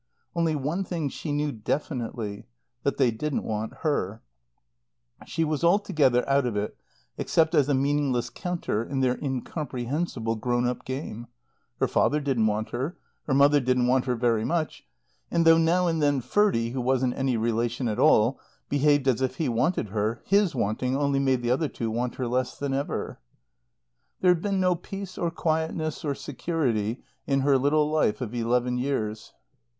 Only one thing she knew definitely that they didn't want her. She was altogether out of it except as a meaningless counter in their incomprehensible, grown up game. Her father didn't want her; her mother didn't want her very much; and though now and then Ferdie (who wasn't any relation at all) behaved as if he wanted her, his wanting only made the other two want her less than ever. There had been no peace or quietness or security in her little life of eleven years.